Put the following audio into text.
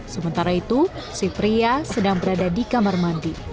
sementara itu si pria sedang berada di kamar mandi